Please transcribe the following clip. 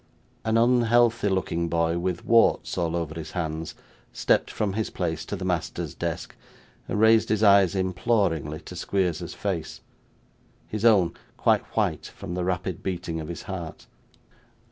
An unhealthy looking boy, with warts all over his hands, stepped from his place to the master's desk, and raised his eyes imploringly to Squeers's face; his own, quite white from the rapid beating of his heart.